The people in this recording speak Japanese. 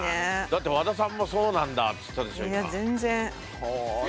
だって和田さんも「そうなんだ」つったでしょう今。いや全然。